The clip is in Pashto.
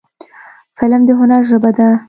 فلم د هنر ژبه ده